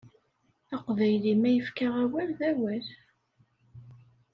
Aqbayli ma yefka awal d awal!